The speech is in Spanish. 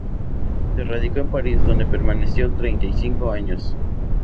Se radicó en París dónde permaneció treinta y cinco años.